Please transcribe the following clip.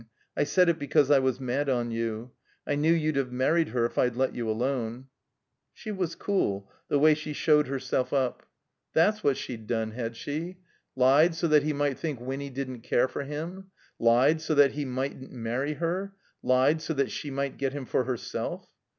I said it because I was mad on you. I knew you'd have married her if I'd let you alone." She was cool, the way she showed herself up. 17 251 THE COMBINED MAZE That's what she'd done, had she? lied, so that he might think Winny didn't care for J im? Lied, so that he mightn't marry her ? Lied, so >hat she might get him for herself?